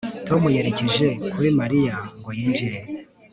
Tom yerekeje kuri Mariya ngo yinjire